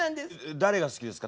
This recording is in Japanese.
誰が好きですか？